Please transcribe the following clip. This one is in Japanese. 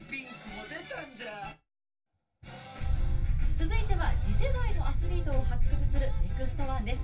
続いては次世代のアスリートを発掘する「ＮＥＸＴ☆１」です。